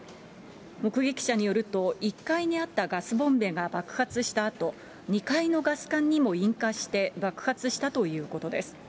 目撃者によると、１階にあったガスボンベが爆発したあと、２階のガス管にも引火して爆発したということです。